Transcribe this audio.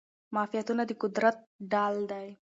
معافیتونه د قدرت ډال دي.